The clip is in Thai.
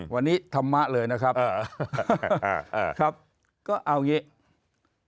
วันนี้ธรรมะเลยนะครับก็เอาอย่างนี้